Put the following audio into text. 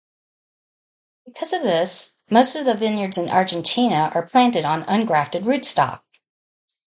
Because of this most of the vineyards in Argentina are planted on ungrafted rootstock.